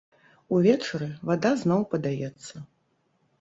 Увечары вада зноў падаецца.